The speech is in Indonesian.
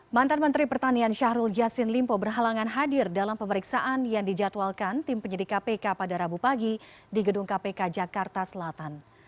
mantan menteri pertanian syahrul yassin limpo berhalangan hadir dalam pemeriksaan yang dijadwalkan tim penyidik kpk pada rabu pagi di gedung kpk jakarta selatan